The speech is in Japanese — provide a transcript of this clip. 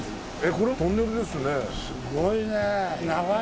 これトンネルですよね。